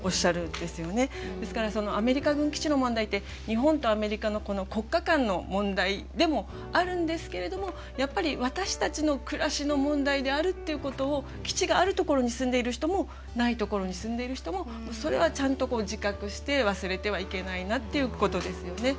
ですからアメリカ軍基地の問題って日本とアメリカの国家間の問題でもあるんですけれどもやっぱり私たちの暮らしの問題であるっていうことを基地があるところに住んでいる人もないところに住んでいる人もそれはちゃんと自覚して忘れてはいけないなということですよね。